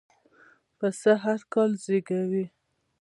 پسه هرکال زېږوي.